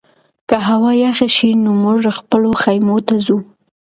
که هوا یخه شي نو موږ خپلو خیمو ته ځو.